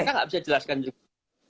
saya tidak bisa menjelaskan juga